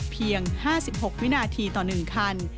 เพียง๕๖วินาทีต่อ๑คัน